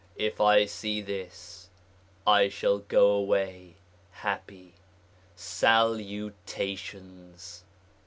If I see this I shall go away happy. Salutations